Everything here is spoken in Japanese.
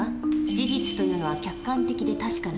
事実というのは客観的で確かな事。